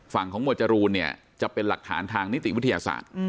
ฝั่งของหมวดจรูนเนี่ยจะเป็นหลักฐานทางนิติวิทยาศาสตร์